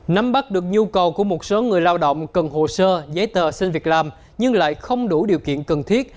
nắm bắt được nhu cầu của một số người lao động cần hồ sơ giấy tờ xin việc làm nhưng lại không đủ điều kiện cần thiết